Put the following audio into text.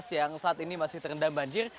yang saat ini masih terendam banjir